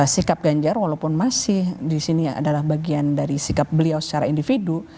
sikap ganjar walaupun masih di sini adalah bagian dari sikap beliau secara individu